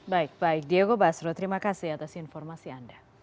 baik baik diego basro terima kasih atas informasi anda